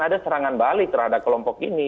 ada serangan balik terhadap kelompok ini